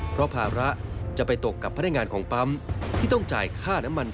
เพราะภาระจะไปตกกับพนักงานของปั๊มที่ต้องจ่ายค่าน้ำมัน